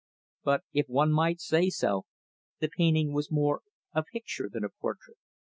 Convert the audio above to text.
But if one might say so the painting was more a picture than a portrait.